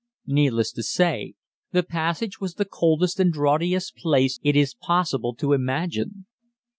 Needless to say, the passage was the coldest and draughtiest place it is possible to imagine.